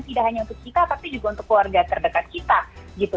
tidak hanya untuk kita tapi juga untuk keluarga terdekat kita gitu